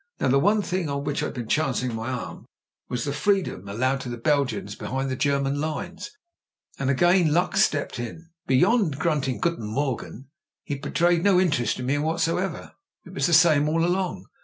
Now, the one thing on which I'd been chancing my arm was the freedom allowed to the Belgians be hind the German lines, and luck again stepped in. "Beyond grunting 'Guten Morgen' he betrayed no interest in me whatever. It was the same all along.